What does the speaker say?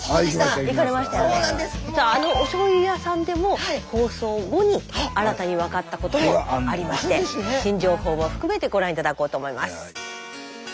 実はあのおしょうゆ屋さんでも放送後に新たに分かったこともありまして新情報を含めてご覧頂こうと思います。